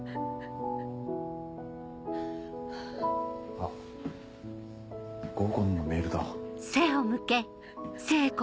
あっ合コンのメールだ。